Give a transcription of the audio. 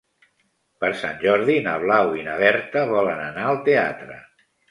Per Sant Jordi na Blau i na Berta volen anar al teatre.